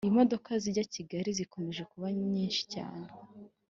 Imodoka zijya ikigali zikomeje kubamyishi cyane